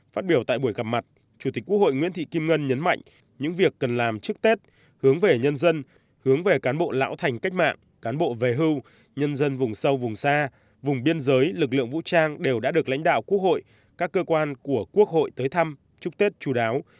phát biểu tại buổi gặp mặt chủ tịch quốc hội nguyễn thị kim ngân nhấn mạnh những việc cần làm trước tết hướng về nhân dân hướng về cán bộ lão thành cách mạng cán bộ về hưu nhân dân vùng sâu vùng xa vùng biên giới lực lượng vũ trang đều đã được lãnh đạo quốc hội các cơ quan của quốc hội tới thăm chúc tết chú đáo